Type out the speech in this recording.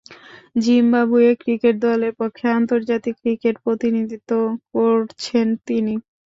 Zimbabwe cricket দলের পক্ষে আন্তর্জাতিক ক্রিকেটে প্রতিনিধিত্ব করছেন তিনি।